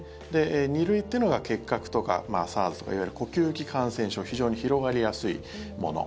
２類っていうのが結核とかＳＡＲＳとかいわゆる呼吸器感染症非常に広がりやすいもの。